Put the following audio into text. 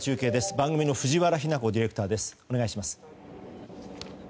番組の藤原妃奈子ディレクターです。